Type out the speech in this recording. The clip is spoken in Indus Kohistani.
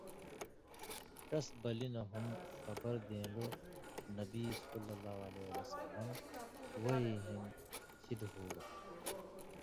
ݜس بلیۡ نہ ہُم خبر دېن٘لو (نبی ﷺ وحی ہِن شِدیۡ ہُوگا۔